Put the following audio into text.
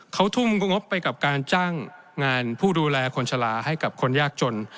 เขาทุ่มงบไปกับการจ้างงานผู้ดูแลคนชะลาให้กับคนยากจน